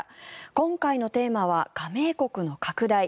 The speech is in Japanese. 今回のテーマは加盟国の拡大。